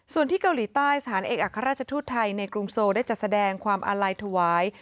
ส่วนที่เกาหลีใต้สถานเอกอัครราชทูตไทยในกรุงโซได้จัดแสดงความอาลัยถวาย